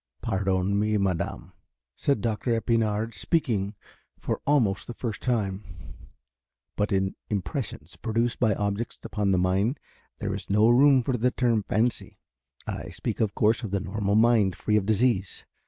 "Pardon me, madame," said Doctor Epinard speaking for almost the first time, "but in impressions produced by objects upon the mind there is no room for the term fancy. I speak of course of the normal mind free of disease.